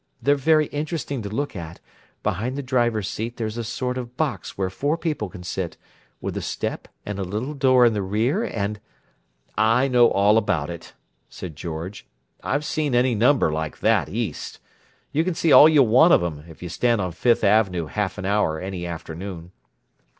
They're very interesting to look at; behind the driver's seat there's a sort of box where four people can sit, with a step and a little door in the rear, and—" "I know all about it," said George. "I've seen any number like that, East. You can see all you want of 'em, if you stand on Fifth Avenue half an hour, any afternoon.